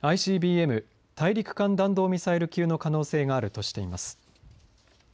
大陸間弾道ミサイル級の可能性があるとしています。